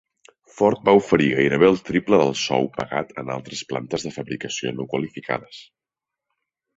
Ford va oferir gairebé el triple del sou pagat en altres plantes de fabricació no qualificades.